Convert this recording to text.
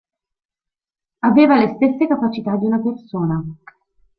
Aveva le stesse capacità di una persona.